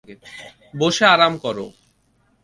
বসে আরাম করো।